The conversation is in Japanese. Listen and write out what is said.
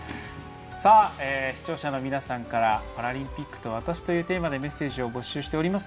視聴者の皆さんからパラリンピックと私というテーマでメッセージを募集しております。